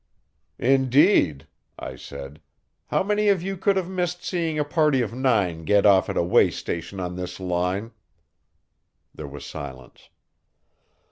"Indeed?" I said. "How many of you could have missed seeing a party of nine get off at a way station on this line?" There was silence.